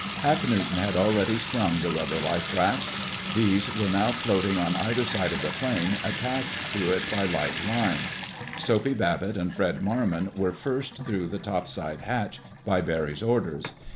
Hap Newton had already sprung the rubber life rafts. These were now floating on either side of the plane, attached to it by light lines. Soapy Babbitt and Fred Marmon were first through the topside hatch, by Barry's orders.